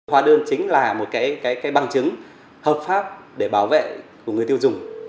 hóa đơn chính là một bằng chứng hợp pháp để bảo vệ của người tiêu dùng